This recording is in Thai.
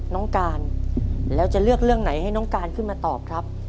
น้องการแล้วจะเลือกเรื่องไหนให้น้องการขึ้นมาตอบครับ